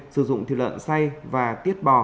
sử dụng thịt lợn xay và tiết bò